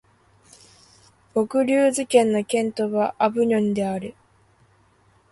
ヴォクリューズ県の県都はアヴィニョンである